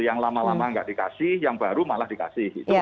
yang lama lama nggak dikasih yang baru malah dikasih